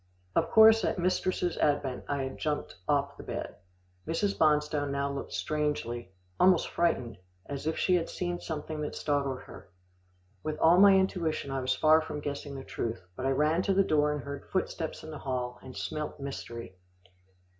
Of course at mistress' advent, I had jumped off the bed. Mrs. Bonstone now looked strangely almost frightened, as if she had seen something that startled her. With all my intuition, I was far from guessing the truth, but I ran to the door and heard footsteps in the hall, and smelt mystery.